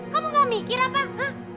kamu gak mikir apa